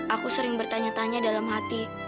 aku sering bertanya tanya dalam hati